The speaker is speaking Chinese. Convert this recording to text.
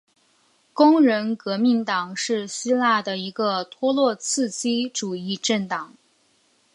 工人革命党是希腊的一个托洛茨基主义政党。